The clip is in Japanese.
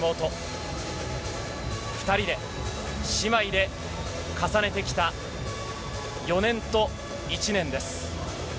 ２人で、姉妹で重ねてきた４年と１年です。